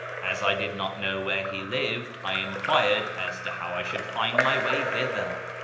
As I did not know where he lived, I enquired as to how I should find my way thither.